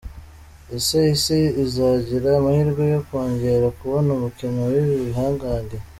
Ese isi izagira amahirwe yo kongera kubona umukino w'ibi bihangage?.